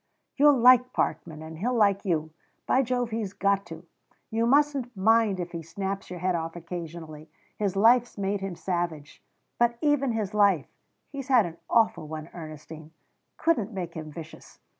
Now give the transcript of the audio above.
"You'll like Parkman; and he'll like you. By Jove, he's got to! You mustn't mind if he snaps your head off occasionally. His life's made him savage, but even his life he's had an awful one, Ernestine couldn't make him vicious.